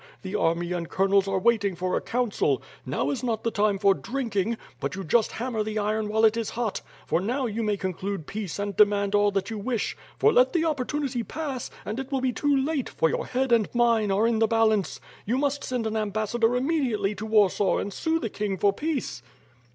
The army and colonels are waiting for a council. Now is no time for drinking; but you just hammer the iron while it is hot — for now you may conclude peace and demand all that you wish; for let the opportunity pass, and it will be too late for your head and mine are in the balance .... you must send an ambassador immediately to Warsaw and sue the king for peace."